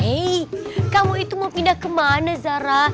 hei kamu itu mau pindah ke mana zara